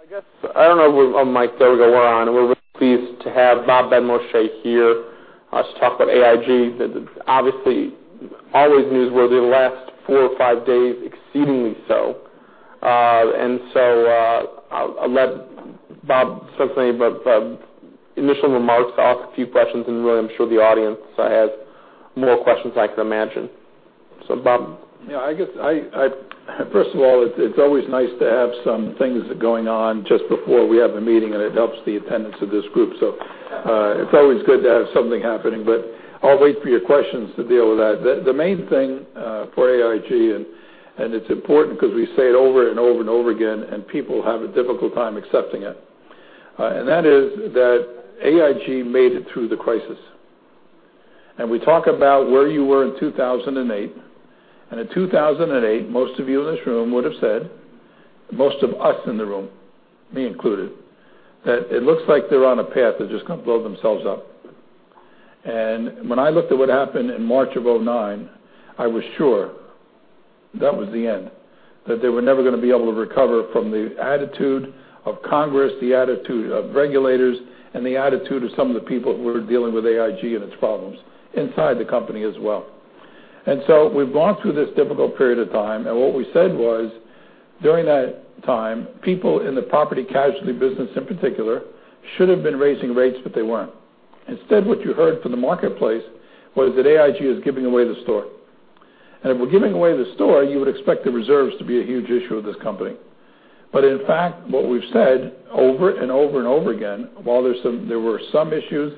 There we go. We're on. We're really pleased to have Robert Benmosche here to talk about AIG. Obviously, always newsworthy, the last four or five days, exceedingly so. I'll let Bob say initial remarks, I'll ask a few questions, and really, I'm sure the audience has more questions I can imagine. Bob. Yeah, I guess, first of all, it's always nice to have some things going on just before we have a meeting, and it helps the attendance of this group. It's always good to have something happening, but I'll wait for your questions to deal with that. The main thing for AIG, it's important because we say it over and over and over again, and people have a difficult time accepting it. That is that AIG made it through the crisis. We talk about where you were in 2008, and in 2008, most of you in this room would have said, most of us in the room, me included, that it looks like they're on a path that's just going to blow themselves up. When I looked at what happened in March of 2009, I was sure that was the end, that they were never going to be able to recover from the attitude of Congress, the attitude of regulators, and the attitude of some of the people who were dealing with AIG and its problems inside the company as well. We've gone through this difficult period of time, and what we said was, during that time, people in the property casualty business in particular should have been raising rates, but they weren't. Instead, what you heard from the marketplace was that AIG is giving away the store. If we're giving away the store, you would expect the reserves to be a huge issue of this company. In fact, what we've said over and over and over again, while there were some issues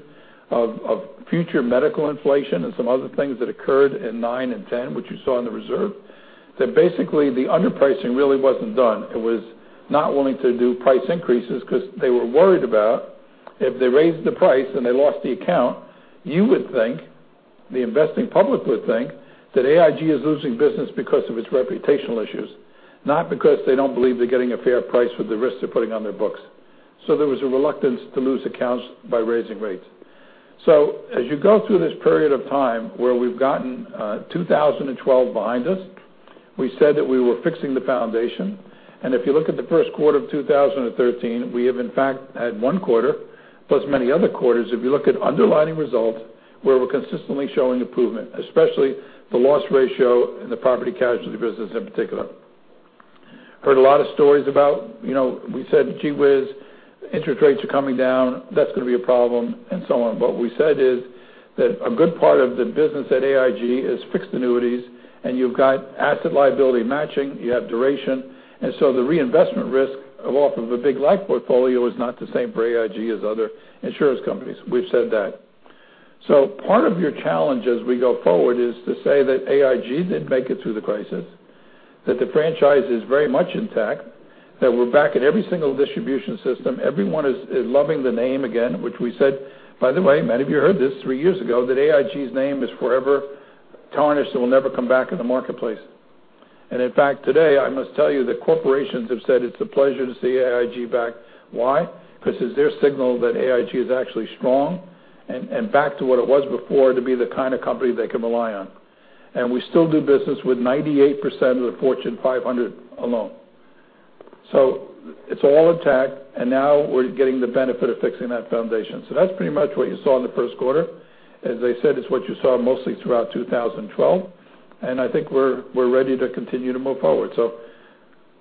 of future medical inflation and some other things that occurred in 2009 and 2010, which you saw in the reserve, that basically the underpricing really wasn't done. It was not willing to do price increases because they were worried about if they raised the price and they lost the account, you would think, the investing public would think, that AIG is losing business because of its reputational issues, not because they don't believe they're getting a fair price for the risks they're putting on their books. There was a reluctance to lose accounts by raising rates. As you go through this period of time where we've gotten 2012 behind us, we said that we were fixing the foundation. If you look at the first quarter of 2013, we have in fact had one quarter, plus many other quarters, if you look at underlying results, where we're consistently showing improvement, especially the loss ratio in the property casualty business in particular. Heard a lot of stories about, we said, gee whiz, interest rates are coming down, that's going to be a problem, and so on. What we said is that a good part of the business at AIG is fixed annuities, you've got asset liability matching, you have duration, the reinvestment risk off of a big life portfolio is not the same for AIG as other insurance companies. We've said that. Part of your challenge as we go forward is to say that AIG did make it through the crisis, that the franchise is very much intact, that we're back in every single distribution system. Everyone is loving the name again, which we said, by the way, many of you heard this three years ago, that AIG's name is forever tarnished and will never come back in the marketplace. In fact, today, I must tell you that corporations have said it's a pleasure to see AIG back. Why? Because it's their signal that AIG is actually strong and back to what it was before to be the kind of company they can rely on. We still do business with 98% of the Fortune 500 alone. It's all intact, and now we're getting the benefit of fixing that foundation. That's pretty much what you saw in the first quarter. As I said, it's what you saw mostly throughout 2012, I think we're ready to continue to move forward.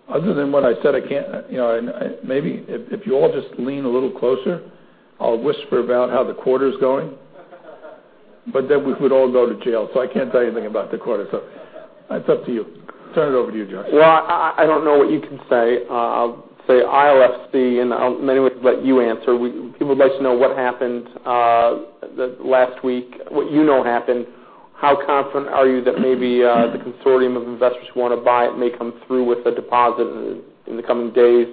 Other than what I said, maybe if you all just lean a little closer, I'll whisper about how the quarter's going. We would all go to jail, so I can't tell you anything about the quarter. It's up to you. Turn it over to you, Josh. Well, I don't know what you can say. I'll say ILFC, and in many ways let you answer. People would like to know what happened last week, what you know happened. How confident are you that maybe the consortium of investors who want to buy it may come through with a deposit in the coming days?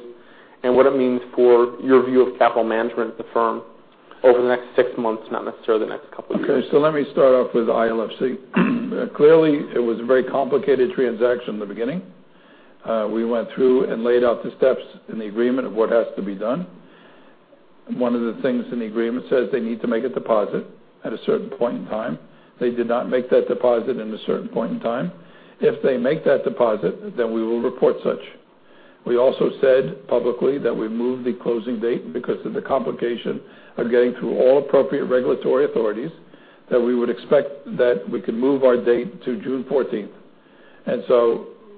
What it means for your view of capital management at the firm over the next six months, not necessarily the next couple of years. Let me start off with ILFC. Clearly, it was a very complicated transaction in the beginning. We went through and laid out the steps in the agreement of what has to be done. One of the things in the agreement says they need to make a deposit at a certain point in time. They did not make that deposit at a certain point in time. If they make that deposit, we will report such. We also said publicly that we moved the closing date because of the complication of getting through all appropriate regulatory authorities, that we would expect that we could move our date to June 14th.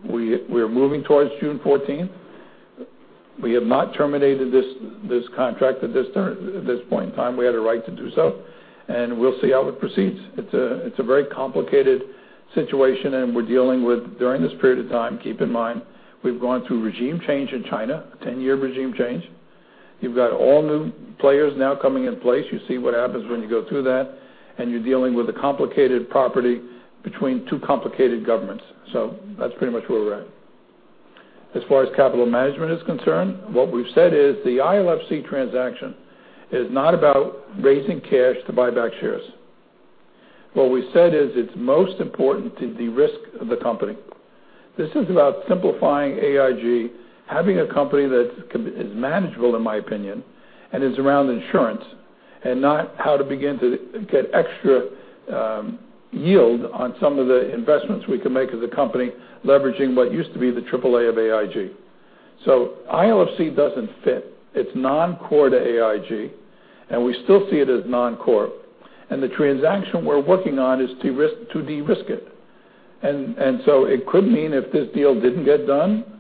We're moving towards June 14th. We have not terminated this contract at this point in time. We had a right to do so. We'll see how it proceeds. It's a very complicated situation. We're dealing with, during this period of time, keep in mind, we've gone through regime change in China, 10-year regime change. You've got all new players now coming in place. You see what happens when you go through that. You're dealing with a complicated property between two complicated governments. That's pretty much where we're at. As far as capital management is concerned, what we've said is the ILFC transaction is not about raising cash to buy back shares. What we said is it's most important to de-risk the company. This is about simplifying AIG, having a company that is manageable, in my opinion, and is around insurance. Not how to begin to get extra yield on some of the investments we can make as a company, leveraging what used to be the triple A of AIG. ILFC doesn't fit. It's non-core to AIG. We still see it as non-core. The transaction we're working on is to de-risk it. It could mean if this deal didn't get done,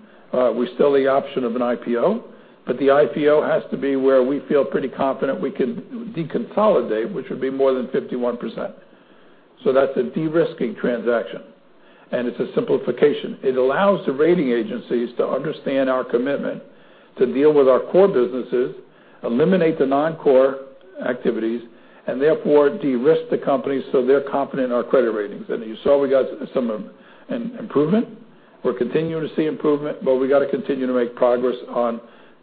we still the option of an IPO, but the IPO has to be where we feel pretty confident we could deconsolidate, which would be more than 51%. That's a de-risking transaction, and it's a simplification. It allows the rating agencies to understand our commitment to deal with our core businesses, eliminate the non-core activities, and therefore de-risk the company so they're confident in our credit ratings. You saw we got some improvement. We're continuing to see improvement, but we got to continue to make progress on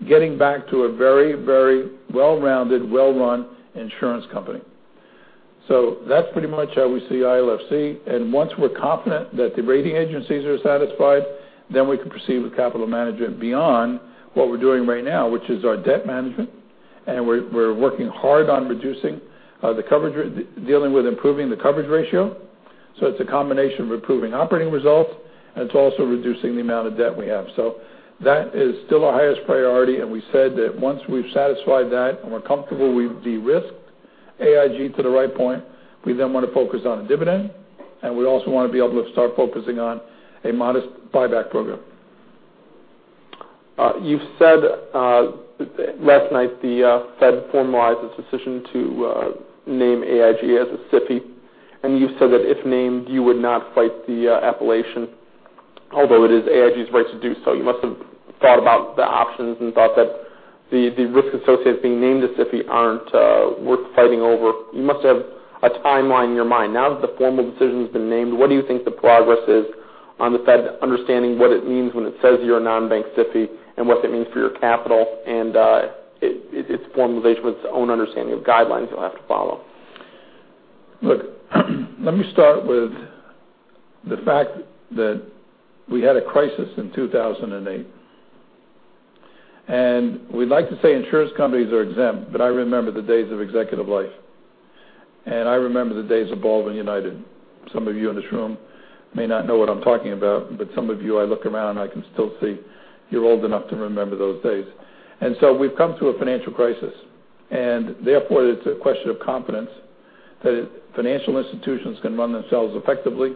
getting back to a very, very well-rounded, well-run insurance company. That's pretty much how we see ILFC. Once we're confident that the rating agencies are satisfied, we can proceed with capital management beyond what we're doing right now, which is our debt management. We're working hard on reducing the coverage, dealing with improving the coverage ratio. It's a combination of improving operating results, and it's also reducing the amount of debt we have. That is still our highest priority. We said that once we've satisfied that and we're comfortable we've de-risked AIG to the right point, we want to focus on a dividend, and we also want to be able to start focusing on a modest buyback program. You've said last night the Fed formalized its decision to name AIG as a SIFI. You've said that if named, you would not fight the appellation, although it is AIG's right to do so. You must have thought about the options and thought that the risks associated with being named a SIFI aren't worth fighting over. You must have a timeline in your mind. Now that the formal decision has been named, what do you think the progress is on the Fed understanding what it means when it says you're a non-bank SIFI and what that means for your capital and its formalization with its own understanding of guidelines you'll have to follow? Look, let me start with the fact that we had a crisis in 2008. We'd like to say insurance companies are exempt, but I remember the days of Executive Life. I remember the days of Baldwin United. Some of you in this room may not know what I'm talking about, but some of you, I look around, and I can still see you're old enough to remember those days. We've come through a financial crisis, and therefore it's a question of confidence that financial institutions can run themselves effectively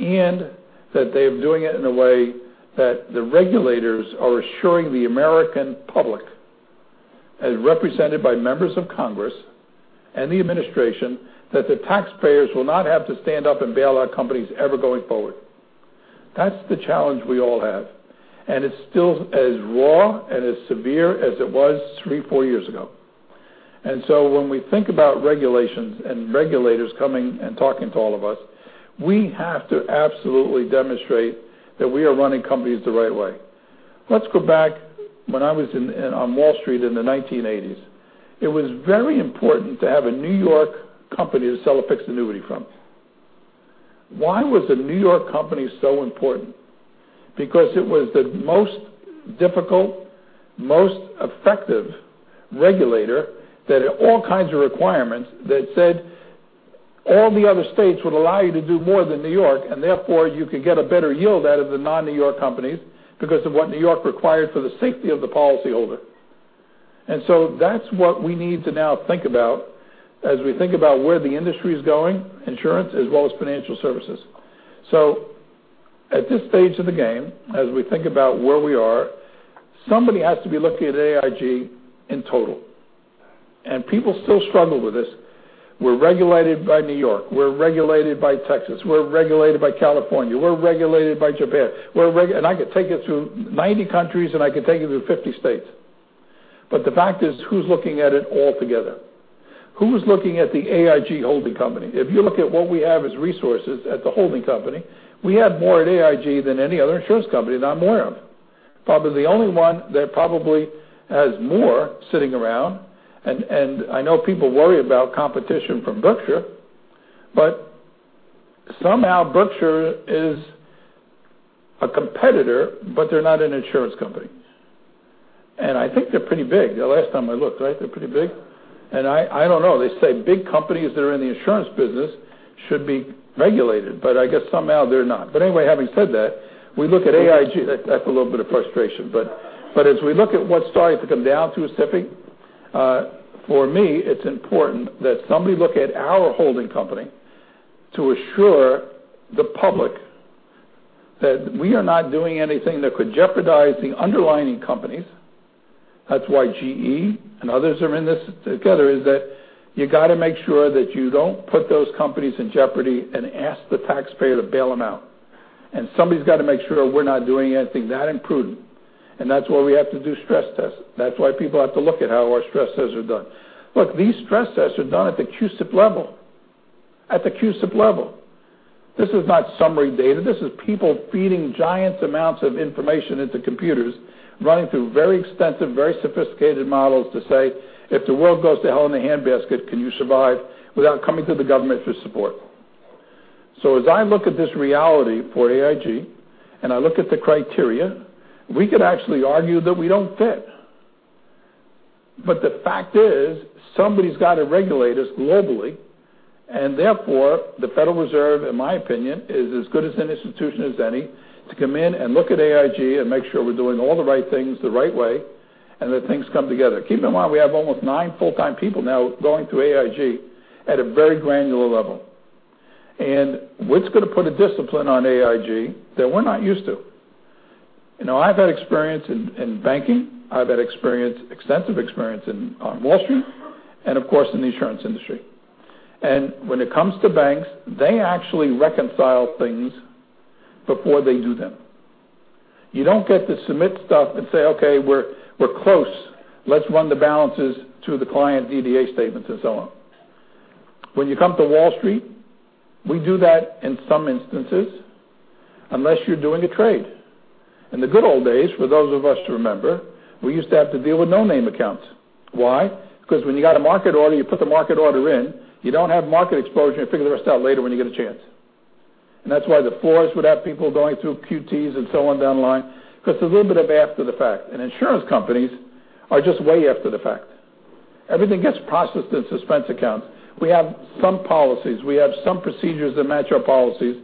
and that they're doing it in a way that the regulators are assuring the American public, as represented by members of Congress and the Administration, that the taxpayers will not have to stand up and bail out companies ever going forward. That's the challenge we all have, and it's still as raw and as severe as it was three, four years ago. When we think about regulations and regulators coming and talking to all of us, we have to absolutely demonstrate that we are running companies the right way. Let's go back when I was on Wall Street in the 1980s. It was very important to have a New York company to sell a fixed annuity from. Why was a New York company so important? Because it was the most difficult, most effective regulator that had all kinds of requirements that said all the other states would allow you to do more than New York, and therefore you could get a better yield out of the non-New York companies because of what New York required for the safety of the policyholder. That's what we need to now think about as we think about where the industry is going, insurance, as well as financial services. At this stage of the game, as we think about where we are, somebody has to be looking at AIG in total. People still struggle with this. We're regulated by New York. We're regulated by Texas. We're regulated by California. We're regulated by Japan. I could take it to 90 countries, and I could take it to 50 states. The fact is, who's looking at it all together? Who's looking at the AIG holding company? If you look at what we have as resources at the holding company, we have more at AIG than any other insurance company that I'm aware of. Probably the only one that has more sitting around, I know people worry about competition from Berkshire, but somehow Berkshire is a competitor, but they're not an insurance company. I think they're pretty big. The last time I looked, right, they're pretty big? I don't know. They say big companies that are in the insurance business should be regulated, but I guess somehow they're not. Anyway, having said that, we look at AIG-- That's a little bit of frustration. As we look at what's starting to come down to a SIFI, for me, it's important that somebody look at our holding company to assure the public that we are not doing anything that could jeopardize the underlying companies. That's why GE and others are in this together, is that you got to make sure that you don't put those companies in jeopardy and ask the taxpayer to bail them out. Somebody's got to make sure we're not doing anything that imprudent. That's why we have to do stress tests. That's why people have to look at how our stress tests are done. Look, these stress tests are done at the CUSIP level. At the CUSIP level. This is not summary data. This is people feeding giant amounts of information into computers, running through very extensive, very sophisticated models to say, "If the world goes to hell in a handbasket, can you survive without coming to the government for support?" As I look at this reality for AIG, I look at the criteria, we could actually argue that we don't fit. The fact is somebody's got to regulate us globally, and therefore the Federal Reserve, in my opinion, is as good as an institution as any to come in and look at AIG and make sure we're doing all the right things the right way and that things come together. Keep in mind, we have almost nine full-time people now going through AIG at a very granular level. It's going to put a discipline on AIG that we're not used to. I've had experience in banking, I've had extensive experience on Wall Street and, of course, in the insurance industry. When it comes to banks, they actually reconcile things before they do them. You don't get to submit stuff and say, "Okay, we're close. Let's run the balances through the client DDA statements and so on." When you come to Wall Street, we do that in some instances, unless you're doing a trade. In the good old days, for those of us who remember, we used to have to deal with no-name accounts. Why? Because when you got a market order, you put the market order in, you don't have market exposure, and you figure the rest out later when you get a chance. That's why the floors would have people going through QTs and so on down the line, because it's a little bit of after the fact. Insurance companies are just way after the fact. Everything gets processed in suspense accounts. We have some policies. We have some procedures that match our policies.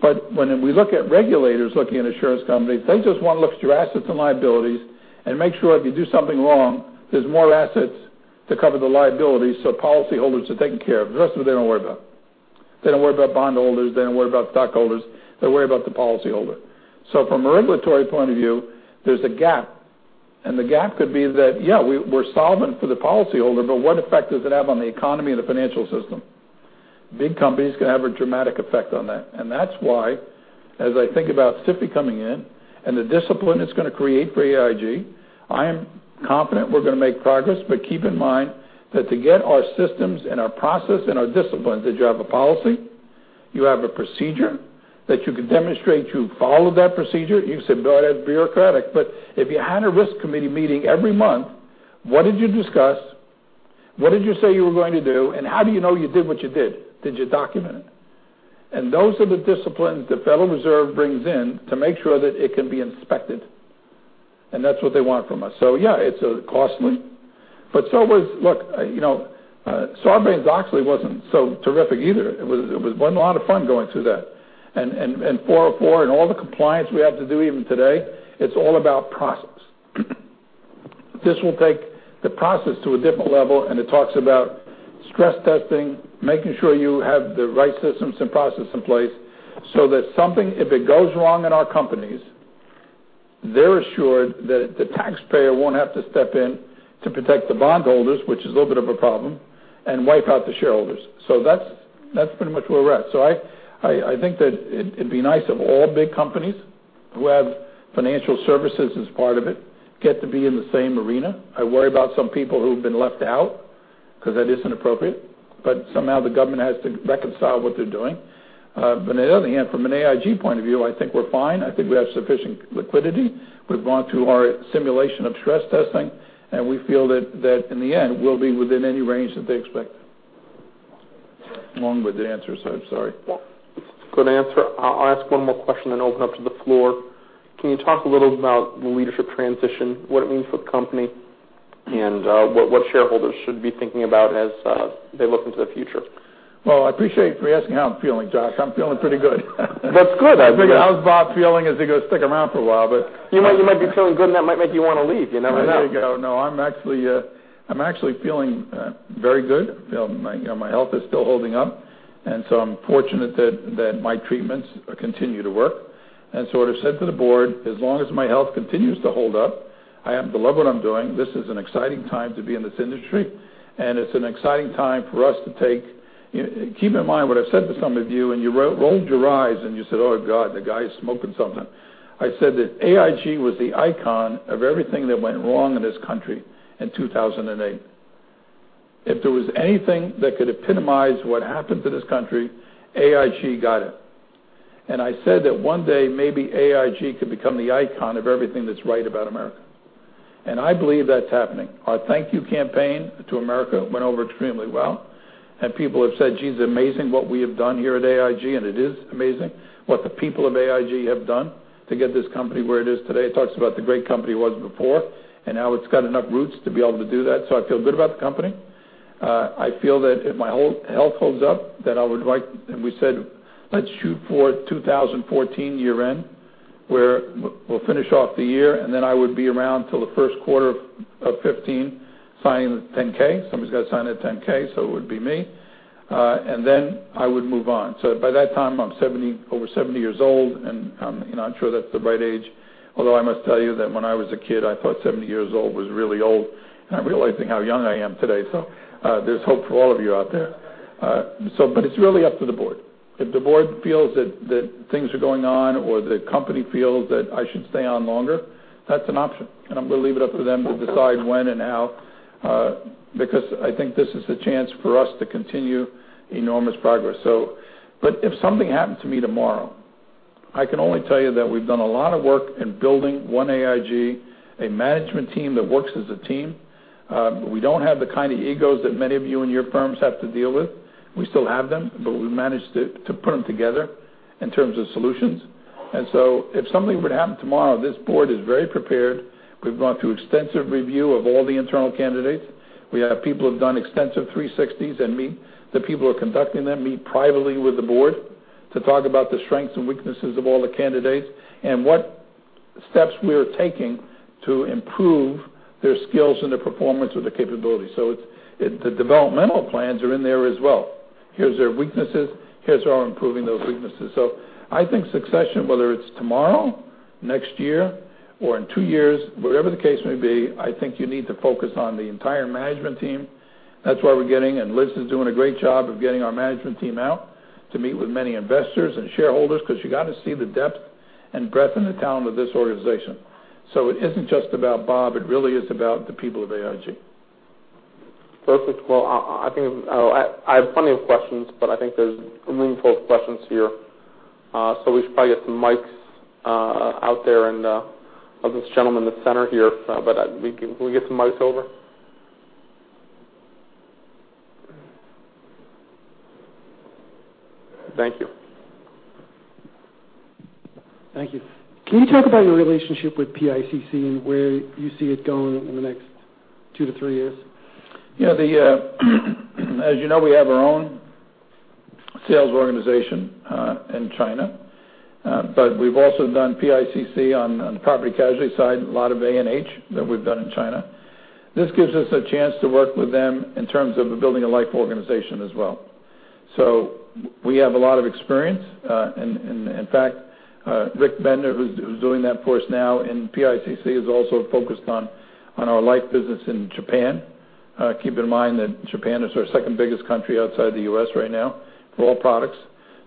When we look at regulators looking at insurance companies, they just want to look at your assets and liabilities and make sure if you do something wrong, there's more assets to cover the liabilities so policyholders are taken care of. The rest of it, they don't worry about. They don't worry about bondholders, they don't worry about stockholders. They worry about the policyholder. From a regulatory point of view, there's a gap, and the gap could be that, yeah, we're solvent for the policyholder, but what effect does it have on the economy and the financial system? Big companies can have a dramatic effect on that. That's why, as I think about SIFI coming in and the discipline it's going to create for AIG, I am confident we're going to make progress. Keep in mind that to get our systems and our process and our discipline, did you have a policy? You have a procedure that you can demonstrate you followed that procedure. You can say, "Oh, that's bureaucratic," but if you had a risk committee meeting every month, what did you discuss? What did you say you were going to do? How do you know you did what you did? Did you document it? Those are the disciplines the Federal Reserve brings in to make sure that it can be inspected. That's what they want from us. Yeah, it's costly. Look, Sarbanes-Oxley wasn't so terrific either. It wasn't a lot of fun going through that. 404 and all the compliance we have to do even today, it's all about process. This will take the process to a different level. It talks about stress testing, making sure you have the right systems and processes in place so that something, if it goes wrong in our companies, they're assured that the taxpayer won't have to step in to protect the bondholders, which is a little bit of a problem, and wipe out the shareholders. That's pretty much where we're at. I think that it'd be nice if all big companies who have financial services as part of it get to be in the same arena. I worry about some people who've been left out because that isn't appropriate. Somehow the government has to reconcile what they're doing. On the other hand, from an AIG point of view, I think we're fine. I think we have sufficient liquidity. We've gone through our simulation of stress testing. We feel that in the end, we'll be within any range that they expect. Long-winded answer, I'm sorry. Good answer. I'll ask one more question. Open up to the floor. Can you talk a little about the leadership transition, what it means for the company, and what shareholders should be thinking about as they look into the future? Well, I appreciate you asking how I'm feeling, Josh. I'm feeling pretty good. That's good. How's Bob feeling as he goes stick around for a while? You might be feeling good and that might make you want to leave. You never know. There you go. I'm actually feeling very good. My health is still holding up, I'm fortunate that my treatments continue to work. What I said to the board, as long as my health continues to hold up, I love what I'm doing. This is an exciting time to be in this industry, it's an exciting time for us to Keep in mind what I've said to some of you rolled your eyes and you said, "Oh, God, the guy is smoking something." I said that AIG was the icon of everything that went wrong in this country in 2008. If there was anything that could epitomize what happened to this country, AIG got it. I said that one day, maybe AIG could become the icon of everything that's right about America. I believe that's happening. Our thank you campaign to America went over extremely well, people have said, "Geez, amazing what we have done here at AIG," it is amazing what the people of AIG have done to get this company where it is today. It talks about the great company it was before, now it's got enough roots to be able to do that. I feel good about the company. I feel that if my health holds up, that I would like, we said, let's shoot for 2014 year-end, where we'll finish off the year, then I would be around till the first quarter of 2015, signing the 10-K. Somebody's got to sign that 10-K, it would be me. Then I would move on. By that time, I'm over 70 years old, I'm not sure that's the right age. Although I must tell you that when I was a kid, I thought 70 years old was really old, I'm realizing how young I am today. There's hope for all of you out there. It's really up to the board. If the board feels that things are going on or the company feels that I should stay on longer, that's an option. I'm going to leave it up to them to decide when and how, because I think this is a chance for us to continue enormous progress. If something happened to me tomorrow, I can only tell you that we've done a lot of work in building one AIG, a management team that works as a team. We don't have the kind of egos that many of you in your firms have to deal with. We still have them, but we managed to put them together in terms of solutions. If something were to happen tomorrow, this board is very prepared. We've gone through extensive review of all the internal candidates. We have people who've done extensive 360s, and the people who are conducting them meet privately with the board to talk about the strengths and weaknesses of all the candidates and what steps we're taking to improve their skills and their performance or their capabilities. The developmental plans are in there as well. Here's their weaknesses, here's how we're improving those weaknesses. I think succession, whether it's tomorrow, next year, or in two years, whatever the case may be, I think you need to focus on the entire management team. That's why we're getting, Liz is doing a great job of getting our management team out to meet with many investors and shareholders because you got to see the depth and breadth and the talent of this organization. It isn't just about Bob. It really is about the people of AIG. Perfect. Well, I have plenty of questions, but I think there's a room full of questions here. We should probably get some mics out there and This gentleman in the center here. Can we get some mics over? Thank you. Thank you. Can you talk about your relationship with PICC and where you see it going in the next two to three years? As you know, we have our own sales organization in China, we've also done PICC on the property casualty side, a lot of A&H that we've done in China. This gives us a chance to work with them in terms of building a life organization as well. We have a lot of experience. In fact, Rick Bender, who's doing that for us now in PICC, is also focused on our life business in Japan. Keep in mind that Japan is our second biggest country outside the U.S. right now for all products.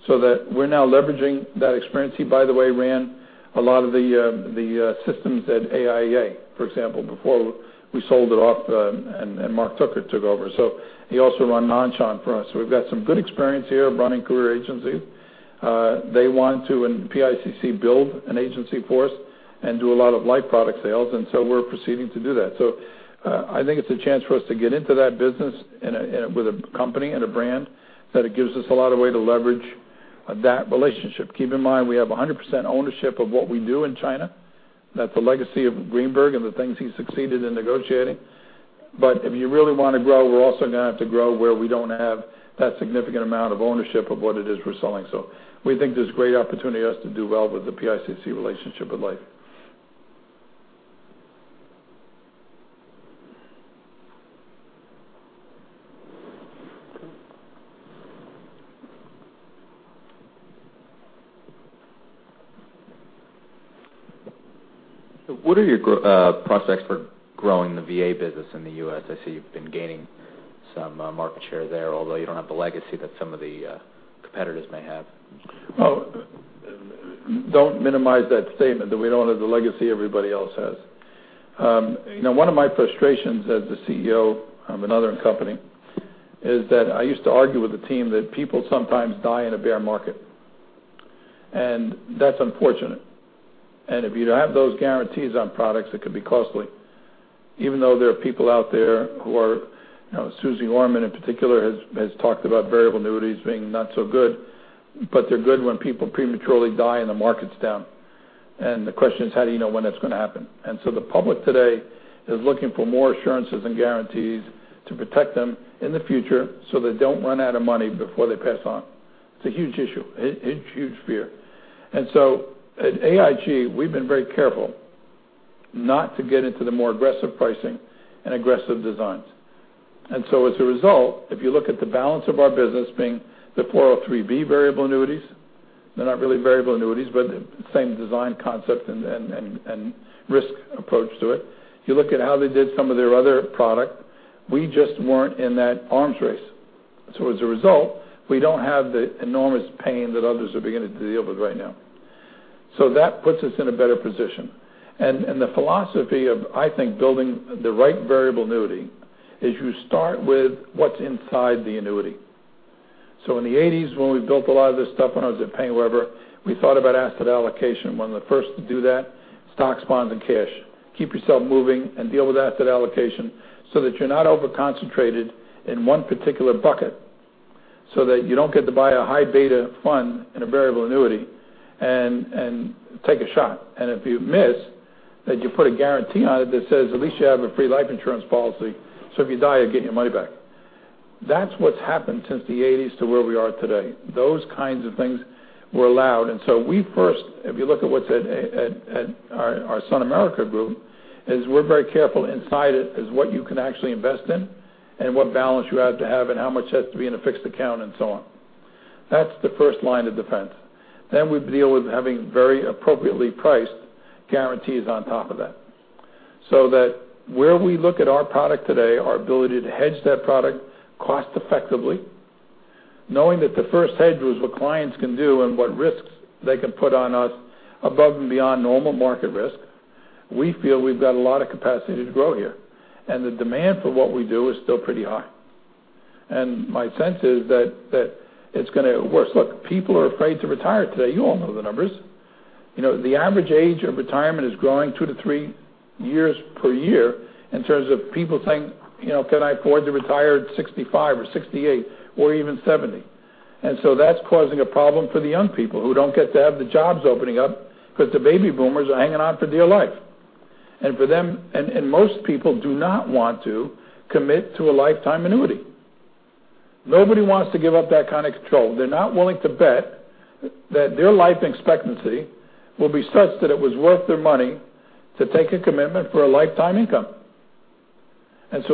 We're now leveraging that experience. He, by the way, ran a lot of the systems at AIA, for example, before we sold it off and Mark Tucker took over. He also ran Nan Shan for us. We've got some good experience here of running career agencies. They want to, in PICC, build an agency for us and do a lot of life product sales. We're proceeding to do that. I think it's a chance for us to get into that business with a company and a brand that it gives us a lot of way to leverage that relationship. Keep in mind, we have 100% ownership of what we do in China. That's the legacy of Greenberg and the things he succeeded in negotiating. If you really want to grow, we're also going to have to grow where we don't have that significant amount of ownership of what it is we're selling. We think there's great opportunity for us to do well with the PICC relationship with Life. What are your prospects for growing the VA business in the U.S.? I see you've been gaining some market share there, although you don't have the legacy that some of the competitors may have. Don't minimize that statement, that we don't have the legacy everybody else has. One of my frustrations as the CEO of another company is that I used to argue with the team that people sometimes die in a bear market. That's unfortunate. If you don't have those guarantees on products, it could be costly. Even though there are people out there who are, Suze Orman in particular has talked about variable annuities being not so good, but they're good when people prematurely die and the market's down. The question is, how do you know when that's going to happen? The public today is looking for more assurances and guarantees to protect them in the future so they don't run out of money before they pass on. It's a huge issue, a huge fear. At AIG, we've been very careful not to get into the more aggressive pricing and aggressive designs. As a result, if you look at the balance of our business being the 403(b) variable annuities, they're not really variable annuities, but same design concept and risk approach to it. If you look at how they did some of their other product, we just weren't in that arms race. As a result, we don't have the enormous pain that others are beginning to deal with right now. That puts us in a better position. The philosophy of, I think, building the right variable annuity is you start with what's inside the annuity. In the '80s, when we built a lot of this stuff when I was at PaineWebber, we thought about asset allocation. One of the first to do that, stocks, bonds, and cash. Keep yourself moving and deal with asset allocation so that you're not over-concentrated in one particular bucket so that you don't get to buy a high beta fund in a variable annuity and take a shot. If you miss, that you put a guarantee on it that says at least you have a free life insurance policy, so if you die, you're getting your money back. That's what's happened since the '80s to where we are today. Those kinds of things were allowed. We first, if you look at our SunAmerica group, is we're very careful inside it is what you can actually invest in and what balance you have to have and how much has to be in a fixed account and so on. That's the first line of defense. We deal with having very appropriately priced guarantees on top of that. That where we look at our product today, our ability to hedge that product cost effectively, knowing that the first hedge was what clients can do and what risks they can put on us above and beyond normal market risk, we feel we've got a lot of capacity to grow here, and the demand for what we do is still pretty high. My sense is that it's going to worse. Look, people are afraid to retire today. You all know the numbers. The average age of retirement is growing two to three years per year in terms of people saying, "Can I afford to retire at 65 or 68 or even 70?" That's causing a problem for the young people who don't get to have the jobs opening up because the baby boomers are hanging on for dear life. Most people do not want to commit to a lifetime annuity. Nobody wants to give up that kind of control. They're not willing to bet that their life expectancy will be such that it was worth their money to take a commitment for a lifetime income.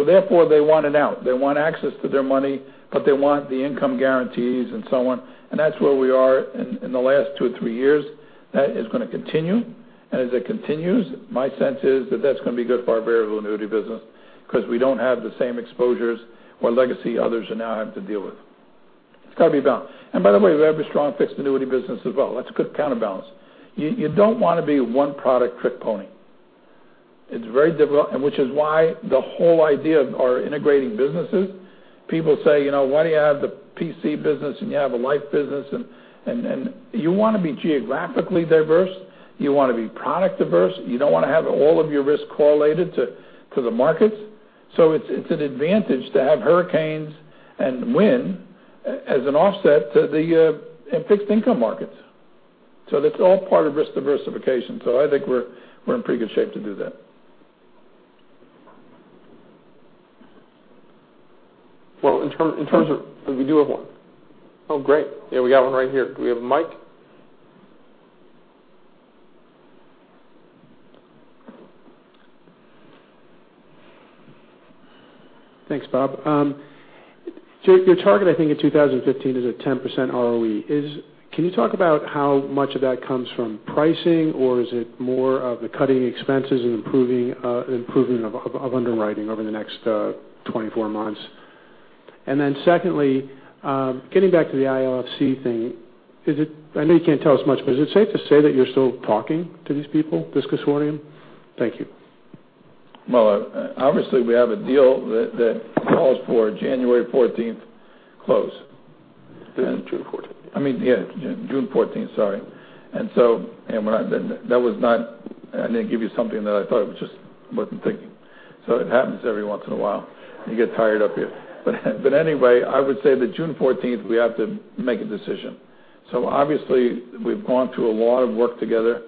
Therefore, they want an out. They want access to their money, but they want the income guarantees and so on. That's where we are in the last two or three years. That is going to continue. As it continues, my sense is that that's going to be good for our variable annuity business because we don't have the same exposures or legacy others now have to deal with. It's got to be balanced. By the way, we have a strong fixed annuity business as well. That's a good counterbalance. You don't want to be a one-product trick pony. It's very difficult. Which is why the whole idea of our integrating businesses, people say, "Why do you have the P&C business and you have a life business?" You want to be geographically diverse. You want to be product diverse. You don't want to have all of your risk correlated to the markets. It's an advantage to have hurricanes and wind as an offset to the fixed income markets. That's all part of risk diversification. I think we're in pretty good shape to do that. Well, in terms of We do have one? Oh, great. Yeah, we got one right here. Do we have a mic? Thanks, Bob. Your target, I think in 2015 is a 10% ROE. Can you talk about how much of that comes from pricing, or is it more of the cutting expenses and improving of underwriting over the next 24 months? Secondly, getting back to the ILFC thing, I know you can't tell us much, but is it safe to say that you're still talking to these people, this consortium? Thank you. Well, obviously, we have a deal that calls for January 14th close. June 14th. I mean, yeah, June 14th, sorry. I didn't give you something that I thought it was just I wasn't thinking. It happens every once in a while. You get tired up here. Anyway, I would say that June 14th, we have to make a decision. Obviously, we've gone through a lot of work together.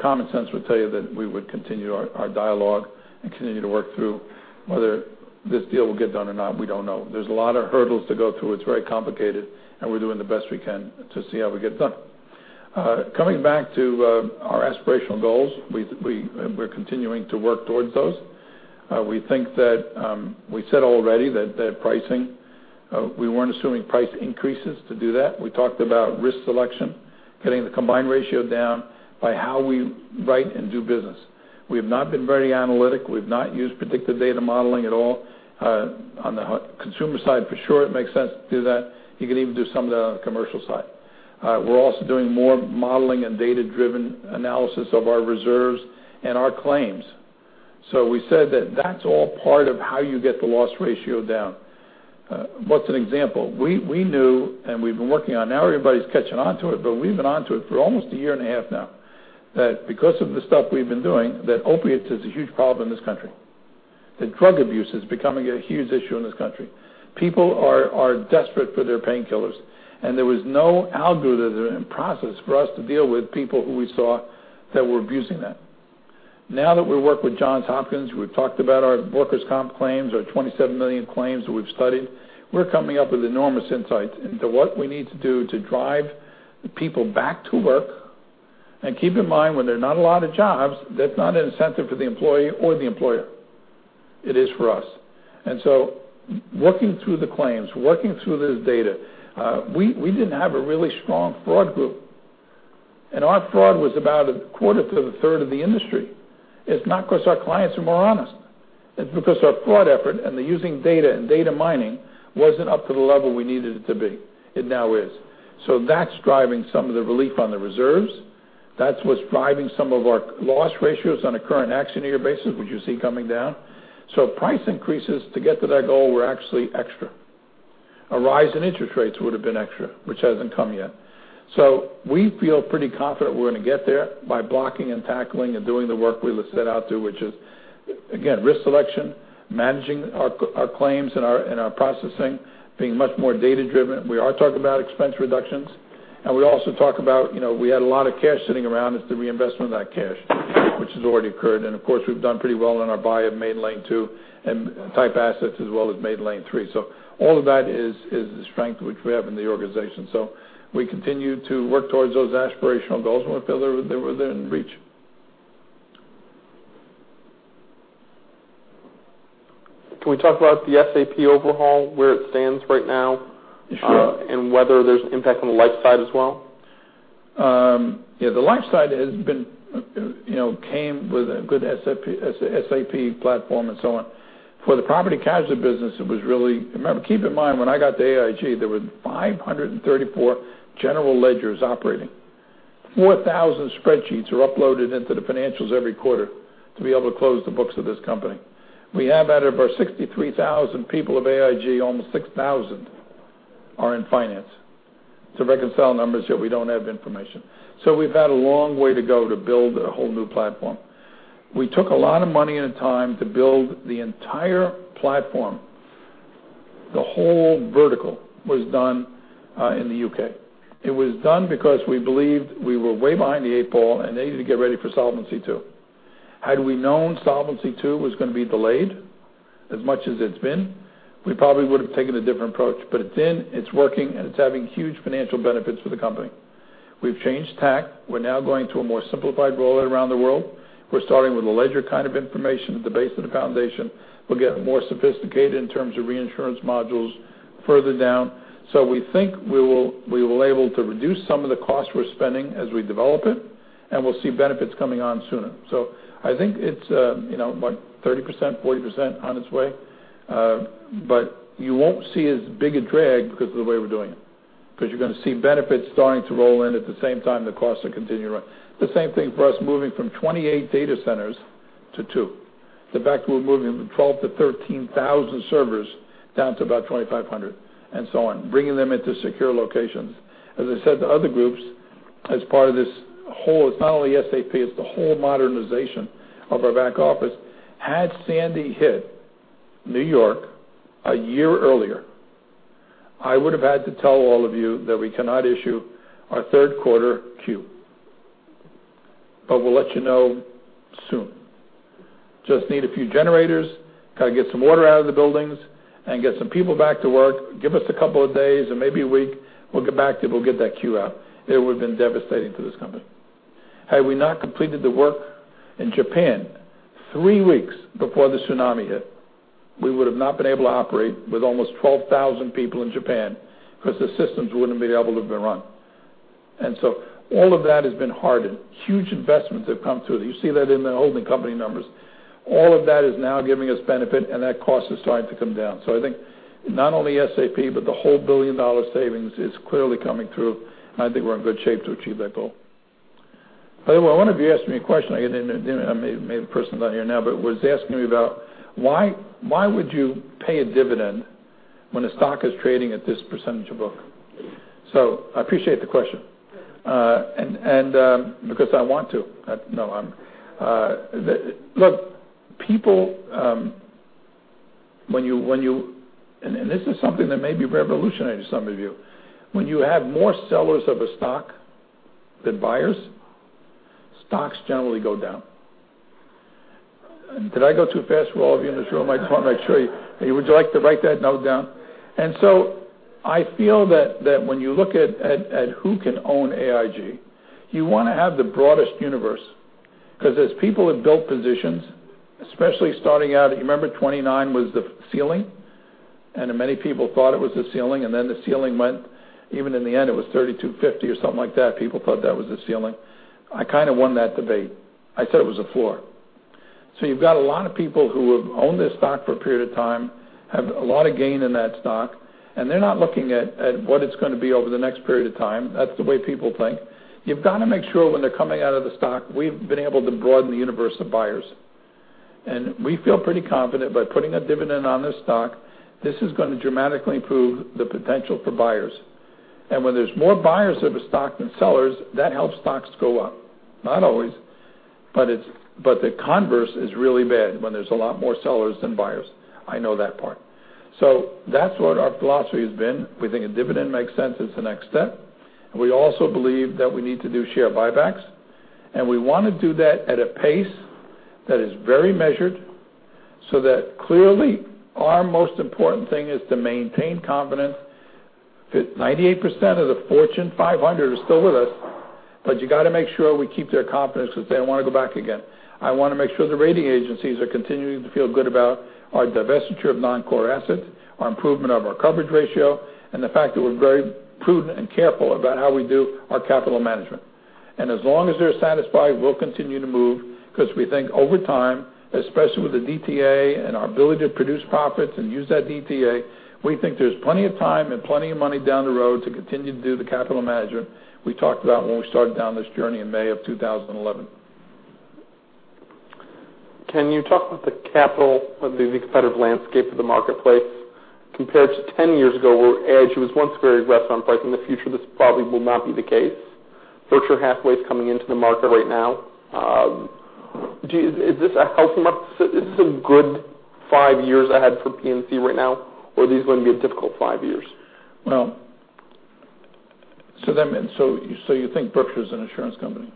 Common sense would tell you that we would continue our dialogue and continue to work through. Whether this deal will get done or not, we don't know. There's a lot of hurdles to go through. It's very complicated, and we're doing the best we can to see how we get it done. Coming back to our aspirational goals, we're continuing to work towards those. We think that we said already that pricing, we weren't assuming price increases to do that. We talked about risk selection, getting the combined ratio down by how we write and do business. We have not been very analytic. We've not used predictive data modeling at all. On the consumer side, for sure, it makes sense to do that. You can even do some of that on the commercial side. We're also doing more modeling and data-driven analysis of our reserves and our claims. We said that that's all part of how you get the loss ratio down. What's an example? We knew, and we've been working on, now everybody's catching on to it, but we've been on to it for almost a year and a half now. That because of the stuff we've been doing, that opiates is a huge problem in this country. That drug abuse is becoming a huge issue in this country. People are desperate for their painkillers, and there was no algorithm process for us to deal with people who we saw that were abusing that. Now that we work with Johns Hopkins, we've talked about our workers' comp claims, our 27 million claims that we've studied. We're coming up with enormous insights into what we need to do to drive people back to work. Keep in mind, when there are not a lot of jobs, that's not an incentive for the employee or the employer. It is for us. Working through the claims, working through this data, we didn't have a really strong fraud group. Our fraud was about a quarter to a third of the industry. It's not because our clients are more honest. It's because our fraud effort and the using data and data mining wasn't up to the level we needed it to be. It now is. That's driving some of the relief on the reserves. That's what's driving some of our loss ratios on a current action year basis, which you see coming down. Price increases to get to that goal were actually extra. A rise in interest rates would have been extra, which hasn't come yet. We feel pretty confident we're going to get there by blocking and tackling and doing the work we set out to, which is, again, risk selection, managing our claims and our processing, being much more data-driven. We are talking about expense reductions, and we also talk about we had a lot of cash sitting around, it's the reinvestment of that cash, which has already occurred. Of course, we've done pretty well on our buy of Maiden Lane 2 and type assets as well as Maiden Lane 3. All of that is the strength which we have in the organization. We continue to work towards those aspirational goals, and we feel they're within reach. Can we talk about the SAP overhaul, where it stands right now? Sure. Whether there's an impact on the life side as well? Yeah, the life side came with a good SAP platform and so on. For the property casualty business, it was really, keep in mind, when I got to AIG, there were 534 general ledgers operating. 4,000 spreadsheets are uploaded into the financials every quarter to be able to close the books of this company. We have out of our 63,000 people of AIG, almost 6,000 are in finance to reconcile numbers that we don't have information. We've had a long way to go to build a whole new platform. We took a lot of money and time to build the entire platform. The whole vertical was done in the U.K. It was done because we believed we were way behind the eight ball and needed to get ready for Solvency II. Had we known Solvency II was going to be delayed as much as it's been, we probably would have taken a different approach. It's in, it's working, and it's having huge financial benefits for the company. We've changed tack. We're now going to a more simplified role around the world. We're starting with a ledger kind of information at the base of the foundation. We'll get more sophisticated in terms of reinsurance modules further down. We think we will able to reduce some of the costs we're spending as we develop it, and we'll see benefits coming on sooner. I think it's what, 30%, 40% on its way. You won't see as big a drag because of the way we're doing it. You're going to see benefits starting to roll in at the same time the costs are continuing to run. The same thing for us moving from 28 data centers to two. The fact we're moving from 12 to 13,000 servers down to about 2,500 and so on, bringing them into secure locations. As I said to other groups, as part of this whole, it's not only SAP, it's the whole modernization of our back office. Had Hurricane Sandy hit New York a year earlier, I would have had to tell all of you that we cannot issue our third quarter Q. We'll let you know soon. Just need a few generators, got to get some water out of the buildings, and get some people back to work. Give us a couple of days or maybe a week, we'll get back to you, we'll get that Q out. It would have been devastating for this company. Had we not completed the work in Japan three weeks before the tsunami hit, we would have not been able to operate with almost 12,000 people in Japan because the systems wouldn't have been able to have been run. All of that has been hardened. Huge investments have come through. You see that in the holding company numbers. All of that is now giving us benefit and that cost is starting to come down. I think not only SAP, but the whole billion-dollar savings is clearly coming through, and I think we're in good shape to achieve that goal. By the way, one of you asked me a question, I didn't Maybe the person's not here now, but was asking me about why would you pay a dividend when a stock is trading at this percentage of book? I appreciate the question. Because I want to. Look, people, and this is something that may be revolutionary to some of you. When you have more sellers of a stock than buyers, stocks generally go down. Did I go too fast for all of you? I'm just rolling my cart, make sure. Would you like to write that note down? I feel that when you look at who can own AIG, you want to have the broadest universe because as people have built positions, especially starting out, you remember 29 was the ceiling, and many people thought it was the ceiling, and then the ceiling went, even in the end, it was 3,250 or something like that. People thought that was the ceiling. I kind of won that debate. I said it was a floor. You've got a lot of people who have owned this stock for a period of time, have a lot of gain in that stock, and they're not looking at what it's going to be over the next period of time. That's the way people think. You've got to make sure when they're coming out of the stock, we've been able to broaden the universe of buyers. We feel pretty confident by putting a dividend on this stock, this is going to dramatically improve the potential for buyers. When there's more buyers of a stock than sellers, that helps stocks go up. Not always, but the converse is really bad when there's a lot more sellers than buyers. I know that part. That's what our philosophy has been. We think a dividend makes sense. It's the next step. We also believe that we need to do share buybacks, and we want to do that at a pace that is very measured, so that clearly our most important thing is to maintain confidence. 98% of the Fortune 500 are still with us, you got to make sure we keep their confidence because they don't want to go back again. I want to make sure the rating agencies are continuing to feel good about our divestiture of non-core assets, our improvement of our coverage ratio, and the fact that we're very prudent and careful about how we do our capital management. As long as they're satisfied, we'll continue to move because we think over time, especially with the DTA and our ability to produce profits and use that DTA, we think there's plenty of time and plenty of money down the road to continue to do the capital management we talked about when we started down this journey in May of 2011. Can you talk about the capital of the competitive landscape of the marketplace compared to 10 years ago, where AIG was once very aggressive on price. In the future, this probably will not be the case. Berkshire Hathaway is coming into the market right now. Is this a good five years ahead for P&C right now, or are these going to be a difficult five years? You think Berkshire is an insurance company?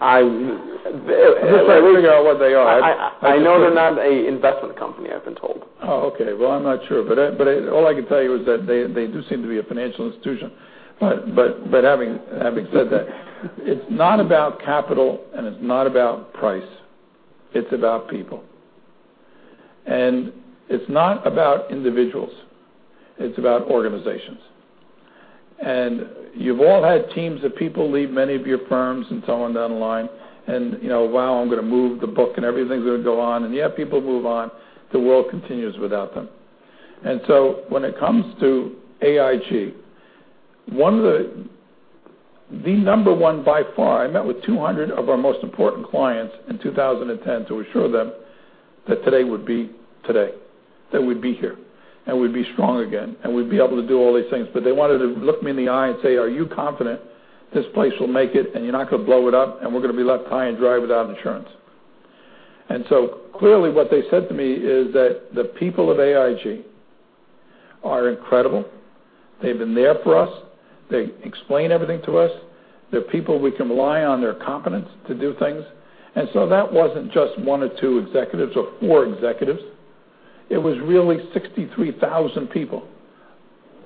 I- Just finding out what they are. I know they're not an investment company, I've been told. Okay. I'm not sure. All I can tell you is that they do seem to be a financial institution. Having said that, it's not about capital and it's not about price. It's about people. It's not about individuals. It's about organizations. You've all had teams of people leave many of your firms and so on down the line, I'm going to move the book and everything's going to go on. People move on. The world continues without them. When it comes to AIG, the number one by far, I met with 200 of our most important clients in 2010 to assure them that today would be today, that we'd be here, and we'd be strong again, and we'd be able to do all these things. They wanted to look me in the eye and say, "Are you confident this place will make it, and you're not going to blow it up and we're going to be left high and dry without insurance?" Clearly what they said to me is that the people of AIG are incredible. They've been there for us. They explain everything to us. They're people we can rely on their competence to do things. That wasn't just one or two executives or four executives. It was really 63,000 people,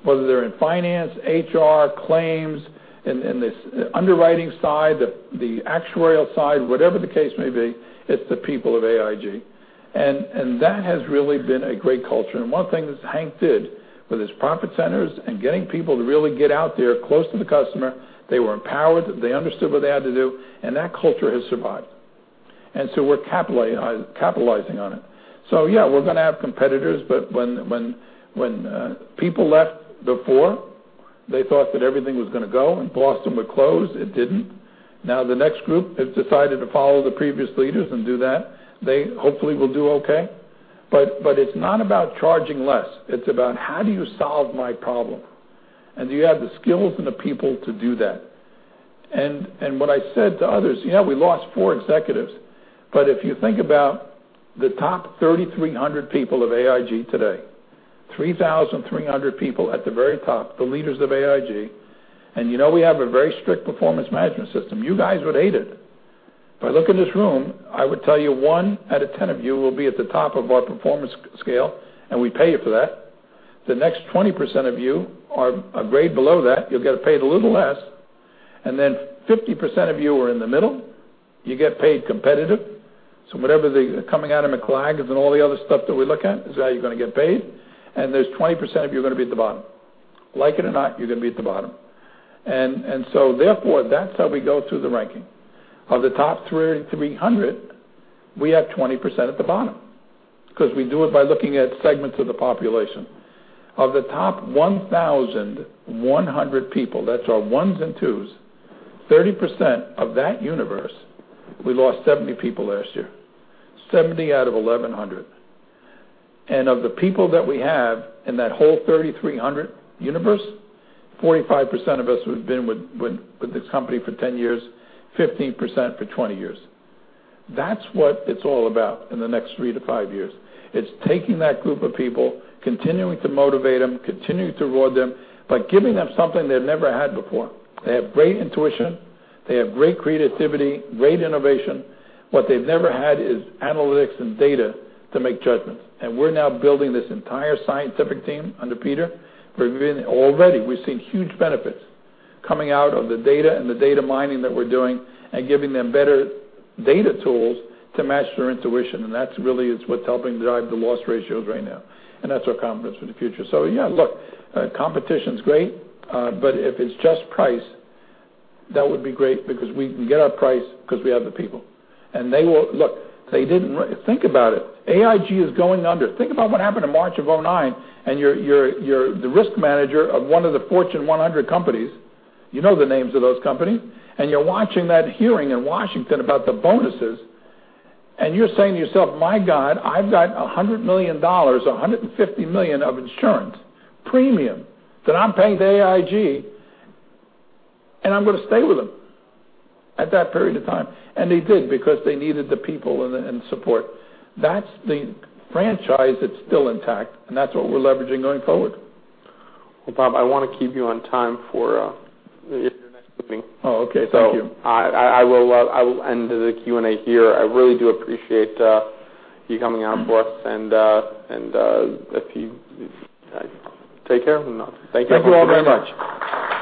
whether they're in finance, HR, claims, in the underwriting side, the actuarial side, whatever the case may be, it's the people of AIG. That has really been a great culture. One thing that Hank did with his profit centers and getting people to really get out there close to the customer, they were empowered. They understood what they had to do, and that culture has survived. We're capitalizing on it. Yeah, we're going to have competitors, but when people left before, they thought that everything was going to go and Boston would close. It didn't. Now the next group has decided to follow the previous leaders and do that. They hopefully will do okay. It's not about charging less. It's about how do you solve my problem? Do you have the skills and the people to do that? What I said to others, we lost four executives, but if you think about the top 3,300 people of AIG today, 3,300 people at the very top, the leaders of AIG, and you know we have a very strict performance management system. You guys would hate it. If I look in this room, I would tell you one out of 10 of you will be at the top of our performance scale, and we pay you for that. The next 20% of you are a grade below that. You'll get paid a little less, and then 50% of you are in the middle. You get paid competitive. Coming out of McLagan and all the other stuff that we look at is how you're going to get paid. There's 20% of you are going to be at the bottom. Like it or not, you're going to be at the bottom. Therefore, that's how we go through the ranking. Of the top 3,300, we have 20% at the bottom because we do it by looking at segments of the population. Of the top 1,100 people, that's our ones and twos, 30% of that universe, we lost 70 people last year. 70 out of 1,100. Of the people that we have in that whole 3,300 universe, 45% of us have been with this company for 10 years, 15% for 20 years. That's what it's all about in the next three to five years. It's taking that group of people, continuing to motivate them, continuing to reward them by giving them something they've never had before. They have great intuition. They have great creativity, great innovation. What they've never had is analytics and data to make judgments. We're now building this entire scientific team under Peter. Already, we're seeing huge benefits coming out of the data and the data mining that we're doing and giving them better data tools to match their intuition and that's really what's helping drive the loss ratios right now. That's our confidence for the future. Yeah, look, competition's great. If it's just price, that would be great because we can get our price because we have the people. Think about it. AIG is going under. Think about what happened in March of 2009. You're the risk manager of one of the Fortune 100 companies. You know the names of those companies. You're watching that hearing in Washington about the bonuses, and you're saying to yourself, "My God, I've got $100 million, $150 million of insurance premium that I'm paying to AIG, and I'm going to stay with them at that period of time." They did because they needed the people and support. That's the franchise that's still intact, and that's what we're leveraging going forward. Well, Bob, I want to keep you on time for your next thing. Oh, okay. Thank you. I will end the Q&A here. I really do appreciate you coming out for us and if you take care and thank you. Thank you all very much.